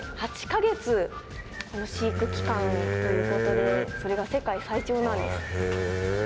この飼育期間ということでそれが世界最長なんですって。へえ！